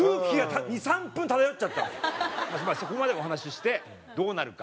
そこまでお話ししてどうなるか。